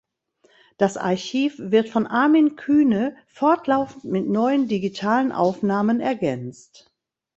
Das Archiv wird von Armin Kühne fortlaufend mit neuen digitalen Aufnahmen ergänzt.